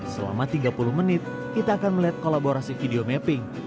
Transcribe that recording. selama tiga puluh menit kita akan melihat kolaborasi video mapping